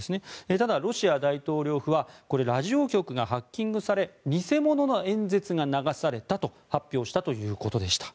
ただ、ロシア大統領府はラジオ局がハッキングされ偽物の演説が流されたと発表したということでした。